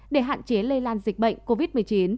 để hạn chế lây lan dịch bệnh covid một mươi chín